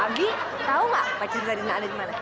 abi tau gak pacar jarina ada dimana